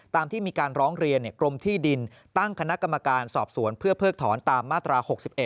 ที่มีการร้องเรียนกรมที่ดินตั้งคณะกรรมการสอบสวนเพื่อเพิกถอนตามมาตรา๖๑